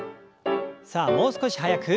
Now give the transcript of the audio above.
さあもう少し速く。